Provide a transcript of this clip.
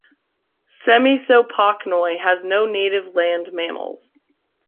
Semisopochnoi has no native land mammals.